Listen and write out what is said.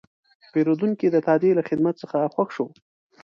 پیرودونکی د تادیې له خدمت څخه خوښ شو.